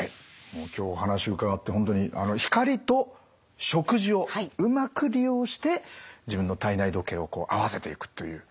もう今日お話伺って本当に光と食事をうまく利用して自分の体内時計を合わせていくという。